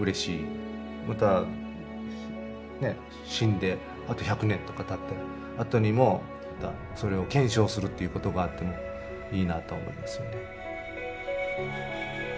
またねえ死んであと１００年とかたったあとにもまたそれを検証するっていうことがあってもいいなと思いますよね。